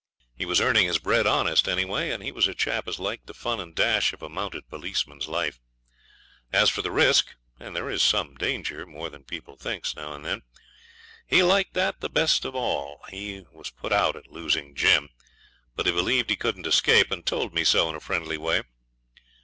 He was earning his bread honest, anyway, and he was a chap as liked the fun and dash of a mounted policeman's life. As for the risk and there is some danger, more than people thinks, now and then he liked that the best of it. He was put out at losing Jim; but he believed he couldn't escape, and told me so in a friendly way.